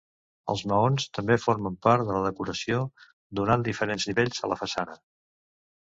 Els maons també formen part de la decoració, donant diferents nivells a la façana.